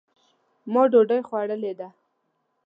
ما ډوډۍ خوړلې ده.